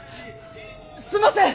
すんません！